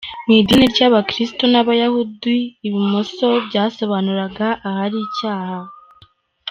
Mu idini y’Abakirisitu n’Abayahudi, ibumoso byasobanuraga ahari icyaha.